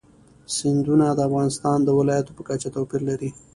سیندونه د افغانستان د ولایاتو په کچه توپیر لري.